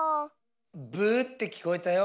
ブーってきこえたよ。